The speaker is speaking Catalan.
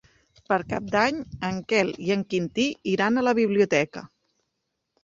Per Cap d'Any en Quel i en Quintí iran a la biblioteca.